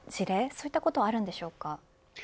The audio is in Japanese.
そういったことはあるんでしょうか。